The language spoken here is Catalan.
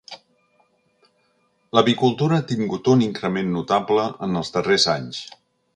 L'avicultura ha tingut un increment notable en els darrers anys.